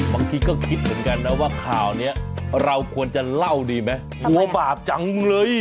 บางทีก็คิดเหมือนกันนะว่าข่าวนี้เราควรจะเล่าดีไหมกลัวบาปจังเลย